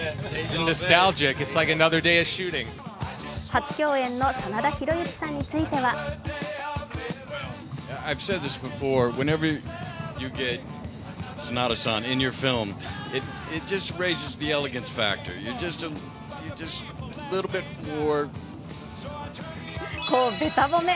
初共演の真田広之さんについてはこうベタ褒め。